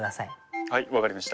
はいわかりました。